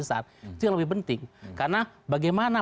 saat itu yang lebih penting karena bagaimana